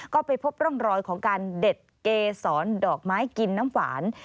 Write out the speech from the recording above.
ก็ไปพบร่องรอยของการเด็ดเกษรดอกไม้กินน้ำหวาน